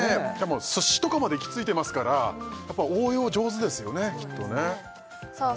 もうすしとかまで行き着いてますからやっぱ応用上手ですよねきっとねさあ